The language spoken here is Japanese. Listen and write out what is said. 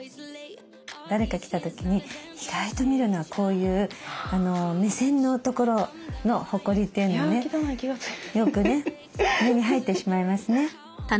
誰か来た時に意外と見るのはこういう目線のところのほこりというのはねよくね目に入ってしまいますね。